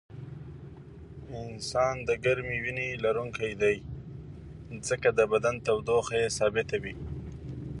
انسان د ګرمې وینې لرونکی دی ځکه د بدن تودوخه یې ثابته وي